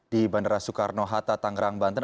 di bandara soekarno hatta tangerang banten